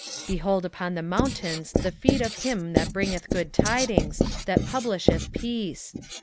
1:15 Behold upon the mountains the feet of him that bringeth good tidings, that publisheth peace!